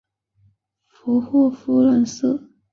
佛霍夫染色突出显示弹性蛋白。